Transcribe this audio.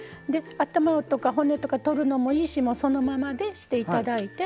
頭とか骨とかとるのでもいいしそのままにしていただいて。